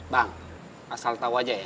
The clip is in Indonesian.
bang asal tahu aja ya